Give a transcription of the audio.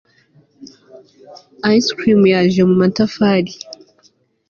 ice cream yaje mu matafari